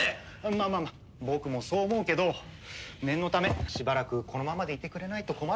まあまあまあ僕もそう思うけど念のためしばらくこのままでいてくれないと困るんだわ。